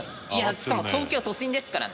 しかも東京都心ですからね。